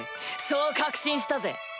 そう確信したぜ！